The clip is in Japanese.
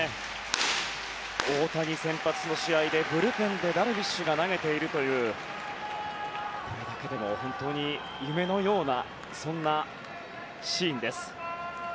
大谷先発の試合でブルペンでダルビッシュが投げているというこれだけでも本当に夢のようなシーンです。